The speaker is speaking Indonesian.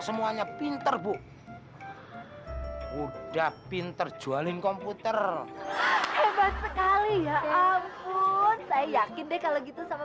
semuanya pinter bu udah pinter jualin komputer hebat sekali ya ampun saya yakin deh kalau gitu sama